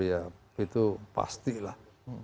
itu pasti lah